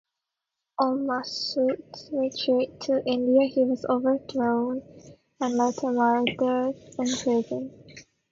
On Mas'ud's retreat to India, he was overthrown and later murdered in prison.